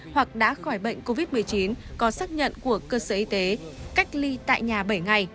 hoặc đã khỏi bệnh covid một mươi chín có xác nhận của cơ sở y tế cách ly tại nhà bảy ngày